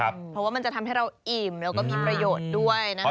เพราะว่ามันจะทำให้เราอิ่มแล้วก็มีประโยชน์ด้วยนะคะ